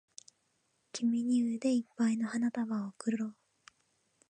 君に腕いっぱいの花束を贈ろう